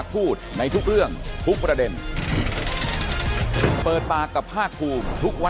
คิดว่าเรื่องไกลป้ากแล้ว